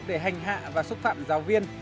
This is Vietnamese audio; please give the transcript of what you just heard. để hành hạ và xúc phạm giáo viên